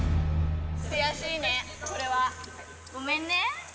くやしいねこれは。ごめんね。